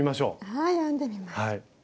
はい編んでみます。